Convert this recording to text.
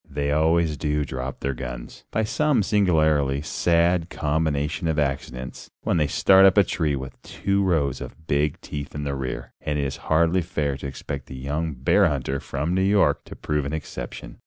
They always do drop their guns, by some singularly sad combination of accidents, when they start up a tree with two rows of big teeth in the rear, and it is hardly fair to expect the young bear hunter from New York to prove an exception.